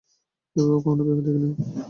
এভাবে কখনো ভেবে দেখিনি।